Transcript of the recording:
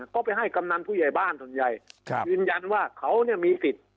ก็ไปให้กำนันผู้ใหญ่บ้านส่วนใหญ่ยืนยันว่าเขาเนี่ยมีสิทธิ์